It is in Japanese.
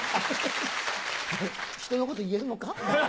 ひとのこと言えるのか？